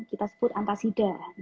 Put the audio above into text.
kita sebut antasida